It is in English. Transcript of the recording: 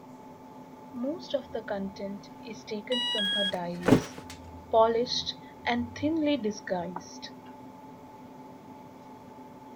Most of the content is taken from her diaries, polished and thinly disguised.